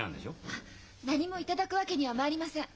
あっ何も頂くわけにはまいりません。